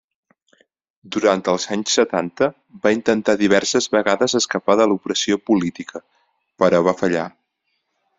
Durant els anys setanta, va intentar diverses vegades escapar de l'opressió política, però va fallar.